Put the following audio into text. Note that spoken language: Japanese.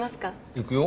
行くよ？